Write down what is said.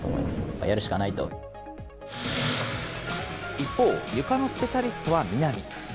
一方、ゆかのスペシャリストは南。